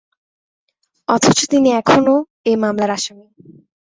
অথচ তিনি এখনও এ মামলার আসামি।